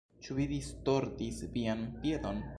Ĉu vi distordis vian piedon?